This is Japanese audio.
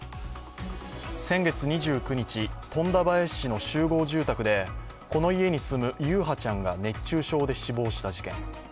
先月２９日、富田林市の集合住宅でこの家に住む優陽ちゃんが熱中症で死亡した事件。